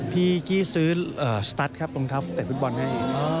พี่กี้ซื้อสตั๊ดครับรองเท้าเตะฟุตบอลให้